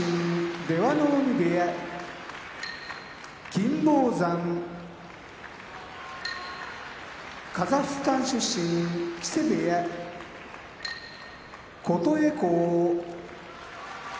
金峰山カザフスタン出身木瀬部屋琴恵光